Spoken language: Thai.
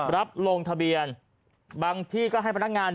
รับลงทะเบียนบางที่ก็ให้พนักงาน